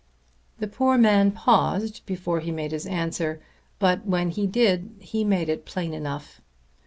The poor man paused before he made his answer; but when he did, he made it plain enough.